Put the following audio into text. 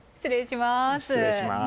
失礼します。